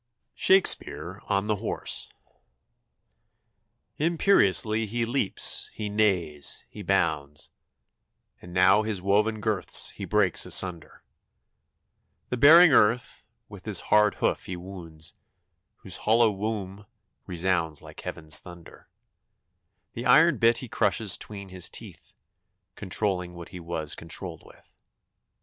SHAKESPEARE ON THE HORSE. Imperiously he leaps, he neighs, he bounds, And now his woven girths he breaks asunder; The bearing earth with his hard hoof he wounds, Whose hollow womb resounds like heaven's thunder; The iron bit he crushes 'tween his teeth, Controlling what he was controlled with.